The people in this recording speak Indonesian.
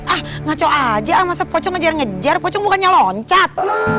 ah ngaco aja masa pocong ngejar ngejar pocong bukannya loncat